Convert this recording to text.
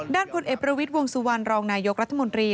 พลเอกประวิทย์วงสุวรรณรองนายกรัฐมนตรี